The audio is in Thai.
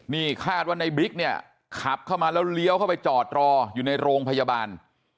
นี่คาดว่าในบิ๊กเนี่ยขับเข้ามาแล้วเลี้ยวเข้าไปจอดรออยู่ในโรงพยาบาล